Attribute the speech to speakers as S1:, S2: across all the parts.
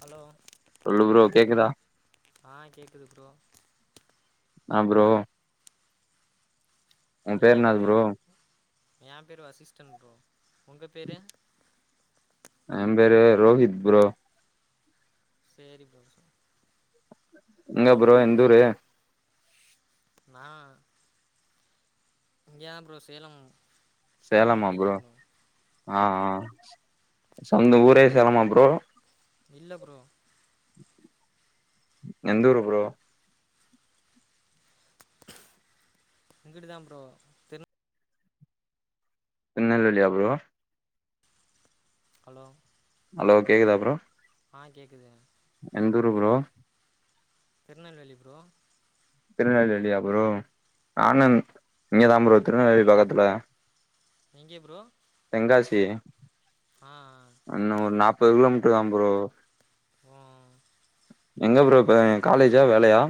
S1: hello
S2: சொல்லு bro கேக்குதா
S1: ஆ கேக்குது ப்ரோ
S2: ஆ ப்ரோ உன் பேர்
S1: எங்கே
S2: என்னாது
S1: ப்ரோ யா பேர் வசிஸ்டன் ப்ரோ உங்க பேரு
S2: யா பேரு ரோஹித் ப்ரோ
S1: சேரி ப்ரோ
S2: நீங்க ப்ரோ எந்த ஊரு
S1: நா இங்கதா ப்ரோ சேலம் சேலம்ல
S2: சேலமா ப்ரோ
S1: படிக்கிறே
S2: ஆ ஆ சொந்த ஊரே சேலமா ப்ரோ
S1: இல்ல ப்ரோ
S2: எந்த ஊரு ப்ரோ
S1: இங்கட்டு தா ப்ரோ திரு
S2: திருநெல்வேலியா ப்ரோ
S1: ஹலோ
S2: ஹலோ கேக்குதா ப்ரோ
S1: ஆ கேக்குது
S2: எந்தூரு ப்ரோ
S1: திருநல்வேலி ப்ரோ
S2: திருநல்வேலியா ப்ரோ நானு இங்க தா ப்ரோ திருநல்வேலி பக்கத்துல
S1: எங்கே ப்ரோ
S2: தெங்காசி
S1: அ அ
S2: என்ன ஒரு நாப்பது கிலோ மீட்டர் தாம் ப்ரோ
S1: [unintelligible]
S2: எங்க ப்ரோ இப்ப காலேஜ்ஜா வேலையா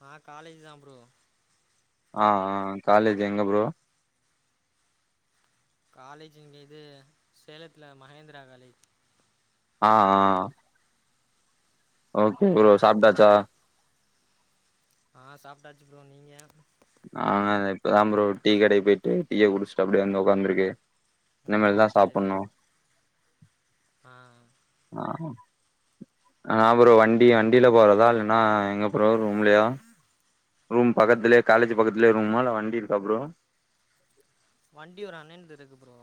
S1: நா காலேஜ் தா ப்ரோ
S2: ஆ ஆ காலேஜ் எங்க ப்ரோ
S1: காலேஜ் இங்க இது சேலத்தில மகேந்திரா காலேஜ்
S2: ஆ ஆ ஓகே
S1: ஆ
S2: ப்ரோ சாப்ட்டாச்சா
S1: ஆ சாப்ட்டாச்சி ப்ரோ நீங்க
S2: நானு இத இப்ப தா ப்ரோ டீ கடைக்கு போயிட்டு டீய குடிஸ்ட்டு அப்டியே வந்து உக்காந்துருக்கே இன்னிமேல் தா
S1: ம் சரி
S2: சாப்புட்ணு
S1: ப்ரோ ஆ
S2: ஆ ஆ ஃப்ரோ வண்டி வண்டில போறதா இல்லைன்னா எங்க ப்ரோ ரூம்லையா ரூம் பக்கத்திலே காலேஜ் பக்கத்திலே ரூம்மா இல்ல வண்டி இருக்கா ஃப்ரோ
S1: வண்டி ஒரு அண்ணன்ட்டே இருக்கு ப்ரோ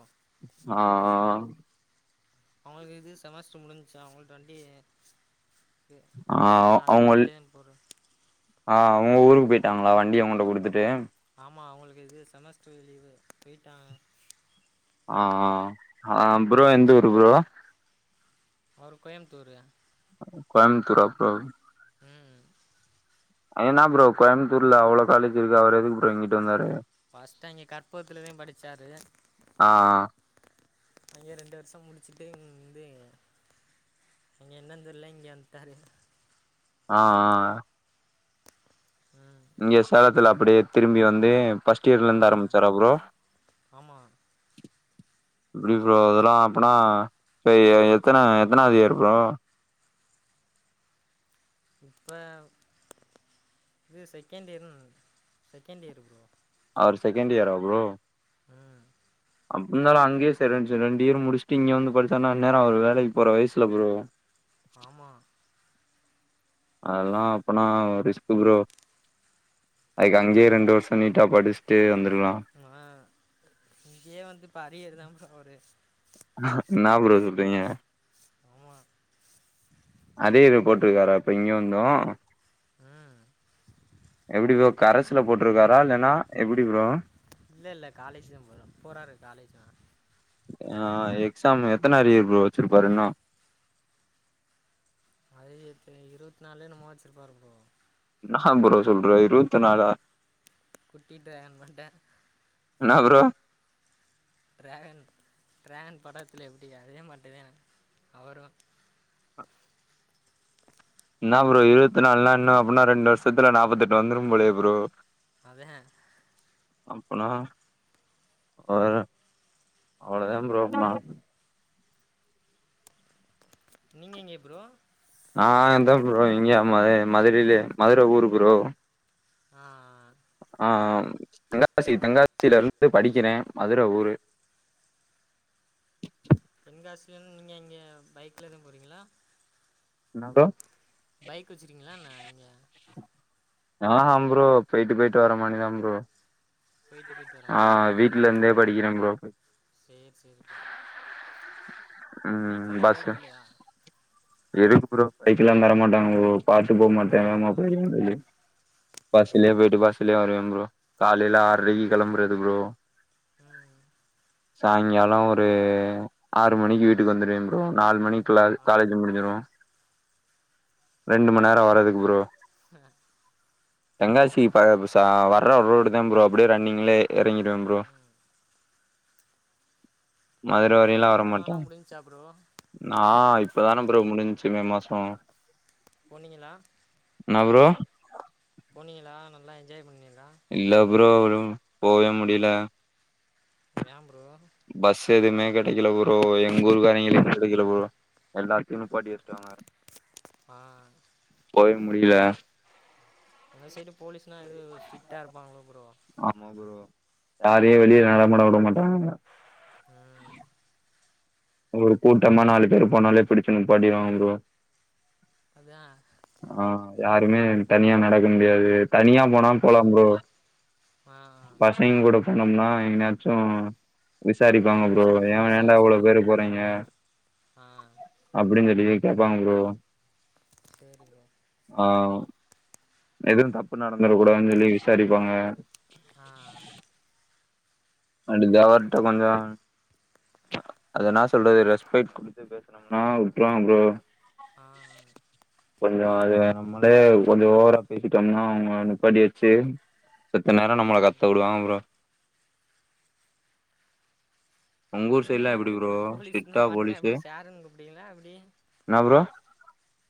S2: ஆ ஆ
S1: அவுங்களுக்கு இது செமஸ்டர் முடிஞ்ச்சா அவுங்கள்ட்ட வண்டி இர்க்கு
S2: ஆ
S1: அவுங்கள்து அந்த
S2: அவங்க
S1: வண்டிலேம் போறே
S2: ஆ அவுங்க ஊருக்கு போய்ட்டாங்ளா வண்டிய உங்கள்ட்ட குடுத்துட்டு
S1: ஆமா அவுங்களுக்கு இது செமஸ்டர் லீவு போய்ட்டாங்க
S2: ஆ ஆ ஆ ப்ரோ எந்த ஊரு ப்ரோ
S1: அவரு கோய்ம்த்தூரு
S2: கோய்ம்த்தூரா ப்ரோ
S1: ம்
S2: அது என்னா ப்ரோ கோய்ம்த்தூர்ல அவ்ளோ காலேஜ் இருக்கு அவர் எதுக்கு ஃப்ரோ இங்கிட்டு வந்தாரு
S1: ஃபஸ்ட் அங்கே கற்பகத்துலேதே படிச்சாரு
S2: ஆ ஆ
S1: அங்யே ரெண்டு வர்ஷோ முடிச்சிட்டு இங் வந்து இங்க என்னன் தெர்ல இங்க வந்துட்டாரு
S2: ஆ ஆ
S1: ம்
S2: இங்க சேலத்துல அப்டியே திரும்பி வந்து ஃபஸ்ட்
S1: ஆ
S2: இயர்லருந்து ஆரம்பிச்சார ப்ரோ
S1: ஆமாம்
S2: இப்டி சொல்லாப்போனா இப்ப எ எத்தன எத்தனாவ்து இயர் ப்ரோ
S1: இப்போ இது செகண்ட் இயர்ன் செகண்ட் இயர் ப்ரோ
S2: அவரு செகண்ட் இயரா ப்ரோ
S1: ம்
S2: அப்டி இருந்தாலு அங்கையே செகண் செரி ரெண்டியர் முடிச்சிட்டு இங்க வந்து படிச்சார்னா இன்நேரோ அவரு வேலைக்கு போற வயஸ்ல்ல ப்ரோ
S1: ஆமா
S2: அதெல்லா அப்பனா ரிஸ்க்கு ப்ரோ அதுக்கு அங்கையே ரெண்டு வர்ஷோ நீட்டா படிச்சிட்டு வந்திருக்லா
S1: மா இங்கையே வந்து இப்ப அரியர்தா ப்ரோ அவரு
S2: என்னா ப்ரோ சொல்றீங்க
S1: ஆமா
S2: அதே இது போட்டிருக்காரா இப்ப இங்க வந்து
S1: ம்
S2: எப்படி ப்ரோ கரசுல போட்டிருக்காரா இல்லைன்னா எப்படி ப்ரோ
S1: இல்லலை இல்ல காலேஜ்தா போற போறாரு காலேஜ் தா
S2: ஆ எக்ஸாம் எத்தன அரியர் ப்ரோ வச்சிருப்பாரு இன்னு
S1: அது இப்ப இருவத்நாலோ எனமோ வச்சிருப்பாரு ப்ரோ
S2: என்னா ப்ரோ சொல்ற இருவத்நாளா
S1: குட்டி டிராகன் மண்ட
S2: என்ன ப்ரோ
S1: ட்ராகன் ட்ராகன் படத்தில்ல எப்டி அதே மாட்டி தா அவரு
S2: என்னா ப்ரோ இருவத்நாலுனா இன்னு அப்பன்னா ரெண்டு வருஷத்துல நாப்பதெட்டு வந்துரு போலயே ப்ரோ
S1: அதா
S2: அப்பனா ஒரு அவலதே ப்ரோ அப்பன
S1: நீங்க எங்கே ப்ரோ
S2: ஆ இதா ப்ரோ இங்க அமா மதுரையில மதுர ஊரு ப்ரோ
S1: ஆ ஆ
S2: ஆ தென்காசி தென்காசியிலருந்து படிக்கிறே மதுர ஊரு
S1: தென்காசிய நீங்க இங்க பைக்கிலதா போறீங்களா
S2: என்னா ப்ரோ
S1: பைக் வச்சுருக்கீங்களா என்னா இங்க
S2: ஆஹாம் ப்ரோ போயிட்டு போயிட்டு வர மானிதா ப்ரோ
S1: போயிட்டு போயிட்டா
S2: ஆ வீட்லருந்தே படிக்கிறே ப்ரோ
S1: சேரி சேரி ப்ரோ
S2: ம்
S1: நான்
S2: பஸ்சு
S1: பைக் இல்லையா
S2: எதுக்கு ப்ரோ பைக்ல்லா தரமாட்டாங்க பாத்து போமாட்டே
S1: ஆ
S2: வேகமா போயிருவ பஸ்லயே போயிட்டு பஸ்லே வருவே ப்ரோ காலையில
S1: ம்
S2: ஆறரைக்கு கெளம்புறது ப்ரோ
S1: ம்
S2: சாய்ங்கால ஒரு ஒரு மணிக்கு வீட்டுக்கு வந்துருவே ப்ரோ நாலு மணிகுல
S1: ஆ
S2: காலேஜ் முடின்சிரு ரெண்டு மண்நேர வரதுக்கு ப்ரோ
S1: ஆ
S2: தெங்காசி ப்ப ச வர்ற ரோடு தா ப்ரோ அப்படியே ரன்னிங்ல எறங்டுவே ப்ரோ
S1: ம்
S2: மதுர வரைல்லா வர மாட்
S1: பண்ண முடிஞ்சா ப்ரோ
S2: நா இப்பதான ப்ரோ முடிஞ்ச்சு மே மாச
S1: போனீங்களா
S2: என்னா ப்ரோ
S1: போனியலா நல்லா என்ஜாய் பண்ணிகிலா
S2: இல்ல ப்ரோ போவே முடியல
S1: யா ப்ரோ
S2: பஸ் எதுவுமே கெடைக்கல ப்ரோ எங்க ஊருக்காரங்கலே கெடைக்கல
S1: ம்
S2: ப்ரோ எல்லாத்தையு நிப்பாட்டி வச்சுடாங்க
S1: ஆ
S2: போவே முடியல
S1: அந்த சைடு போலீஸ்னா எது ஸ்ட்ரிக்டா இருப்பாங்களோ ப்ரோ
S2: ஆமா ப்ரோ யாரயு வெளிய நடமாட விட மாட்டாங்க
S1: ம் ம்
S2: ஒரு கூட்டமா நாலு பேர் போனாலே புடிச்சு நிப்பாட்டிட்டு வாங்க ப்ரோ
S1: அதான்
S2: ஆஹ் யாருமே தனியா நடக்க முடியாது தனியா போனா
S1: ஆ
S2: போலாம் புரோ
S1: ஆ
S2: பசங்க கூட போனோம்னா எங்கினாய்ச்சும் விசாரிப்பாங்க ப்ரோ
S1: புடிச்சுன்னு இப்ப
S2: ஏன் ஏண்டா இவ்வளோ
S1: விசாரிச்சிருவாங்க
S2: பேரு போறீங்க
S1: ஆ
S2: அப்டிஞ்சொல்லி கேப்பாங்க ப்ரோ
S1: சேரி ப்ரோ
S2: ஆ எதுவும் தப்பு நடந்தரகூடான்னு சொல்லி விசாரிப்பாங்க
S1: ஆ ஆ
S2: [unintelligible] கொஞ்சம் அதென்னா சொல்றது ரெஸ்பைட் குடுத்து பேசனம்ன்னா விட்ருவாங்க ப்ரோ
S1: ஆ ஆ
S2: கொஞ்சம் அது வேணும் நம்மளே கொஞ்சம் ஓவரா பேசிட்டோம்ன்னா அவங்க நிப்பாட்டி வச்சு எத்த நேரம் நம்மள
S1: ம்
S2: கத்த விடுவாங்க ப்ரோ ஒங்கூர் சைட்லாம்
S1: நீங்களாம்
S2: எப்டி ப்ரோ
S1: போலீஸ்னா
S2: சிட்டா
S1: மாட்னா
S2: போலீஸ்சு
S1: எப்டி சாருன்னு கூப்டுவீங்களா
S2: என்ன ப்ரோ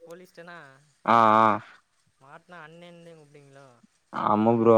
S1: போலீஸ்டன்னா
S2: ஆ ஆ
S1: மாட்னா அண்ணேந்தே கூப்டுவீங்ளோ
S2: ஆமா ப்ரோ